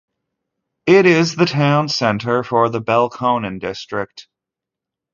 It is the town centre for the Belconnen district.